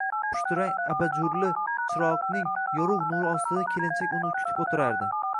Pushtirang abajurli chiroqning yorug` nuri ostida kelinchak uni kutib o`tirardi